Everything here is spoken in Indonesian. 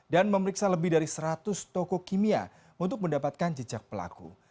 dan memeriksa lebih dari seratus toko kimia untuk mendapatkan jejak pelaku